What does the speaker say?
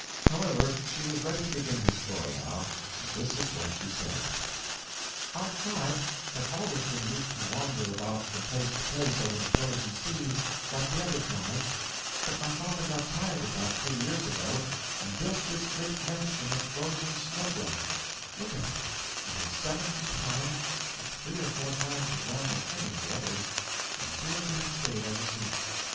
However, she was ready to begin her story, now, and this is what she said: 'Our tribe had always been used to wander about from place to place over the frozen seas, like the other tribes, but my father got tired of that, two years ago, and built this great mansion of frozen snow blocks look at it; it is seven feet high and three or four times as long as any of the others and here we have stayed ever since.